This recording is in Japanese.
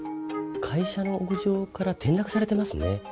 会社の屋上から転落されてますね。